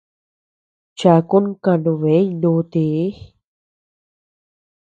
Chakun kanubeñ nuutii.